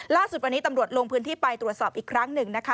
ล่าสุดวันนี้ตำรวจลงพื้นที่ไปตรวจสอบอีกครั้งหนึ่งนะคะ